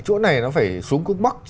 chỗ này nó phải xuống cung bắc